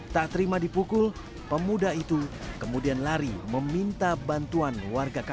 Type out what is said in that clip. tak terima dipukul pemuda itu kemudian lari meminta bantuan warga kampung